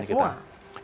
tapi tidak semua